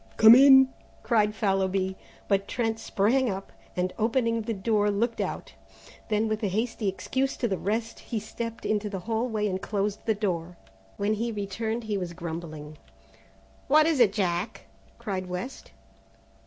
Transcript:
"Come in!" cried Fallowby, but Trent sprang up, and opening the door, looked out. Then with a hasty excuse to the rest, he stepped into the hall way and closed the door. When he returned he was grumbling. "What is it, Jack?" cried West.